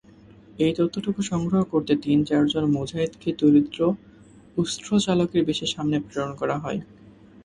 এই তথ্যটুকু সংগ্রহ করতে তিন-চারজন মুজাহিদকে দরিদ্র উষ্ট্রচালকের বেশে সামনে প্রেরণ করা হয়।